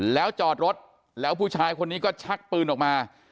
แล้วจอดรถแล้วผู้ชายคนนี้ก็ชักปืนออกมา